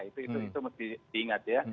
itu mesti diingat ya